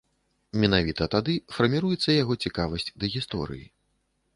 Менавіта тады фарміруецца яго цікавасць да гісторыі.